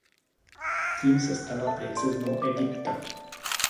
Tím se stala princeznou Egypta.